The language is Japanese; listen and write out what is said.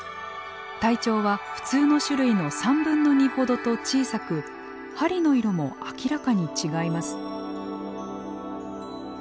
体長は普通の種類の３分の２ほどと小さく針の色も明らかに違います。